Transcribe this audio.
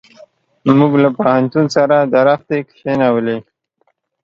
موږ له پوهنتون سره درختي کښېنولې.